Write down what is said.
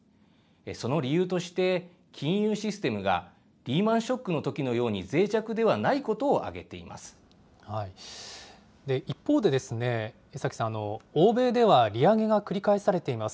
その理由として、金融システムが、リーマンショックのときのようにぜい弱ではないことを挙げていま一方で、江崎さん、欧米では利上げが繰り返されています。